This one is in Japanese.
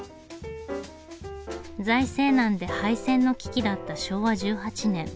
財政難で廃線の危機だった昭和１８年。